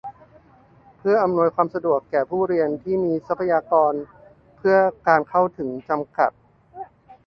เพื่ออำนวยความสะดวกแก้ผู้เรียนที่มีทรัพยากรเพื่อการเข้าถึงจำกัด